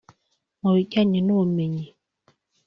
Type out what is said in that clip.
Mu bijyanye n’ubumenyi